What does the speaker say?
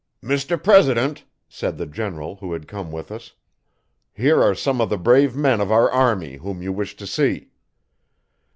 'Mr President,' said the general, who had come with us, 'here are some of the brave men of our army, whom you wished to see.